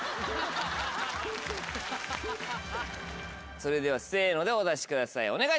それではせのでお出しください